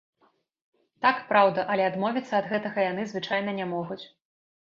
Так, праўда, але адмовіцца ад гэтага яны звычайна не могуць.